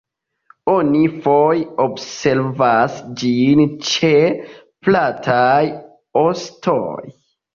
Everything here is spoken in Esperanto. Oni foje observas ĝin ĉe plataj ostoj.